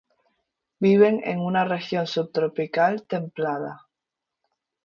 Viven en una región subtropical, templada.